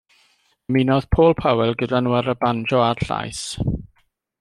Ymunodd Paul Powell gyda nhw ar y banjo a'r llais.